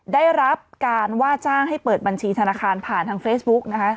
ได้รับการว่าจ้างให้เปิดบัญชีธนาคารผ่านทางเฟซบุ๊กนะคะ